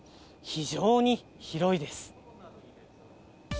非常に広いです。